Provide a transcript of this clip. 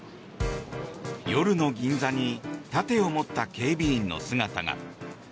夜の銀座に盾を持った警備員の姿が。